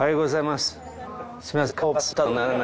すみません。